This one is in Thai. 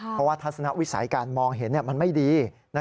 เพราะว่าทัศนวิสัยการมองเห็นมันไม่ดี